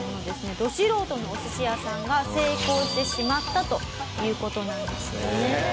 ド素人のお寿司屋さんが成功してしまったという事なんですよね。